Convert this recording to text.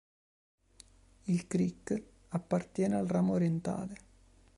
Il creek appartiene al ramo orientale.